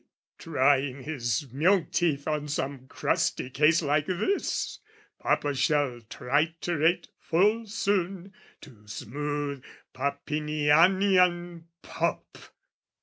Trying his milk teeth on some crusty case Like this, papa shall triturate full soon To smooth Papinianian pulp!